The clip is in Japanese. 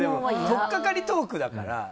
とっかかりトークだから。